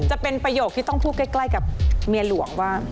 ประโยคที่ต้องพูดใกล้กับเมียหลวงว่า